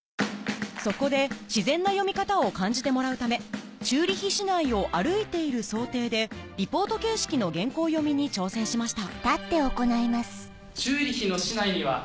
そこで自然な読み方を感じてもらうためチューリヒ市内を歩いている想定でリポート形式の原稿読みに挑戦しました